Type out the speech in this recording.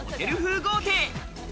豪邸。